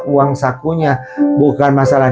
uang sakunya bukan masalah